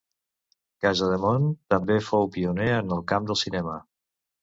Casademont també fou pioner en el camp del cinema.